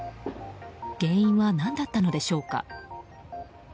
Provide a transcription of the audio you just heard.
原因は何だったのでしょうか。